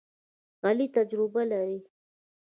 علي تجربه لري.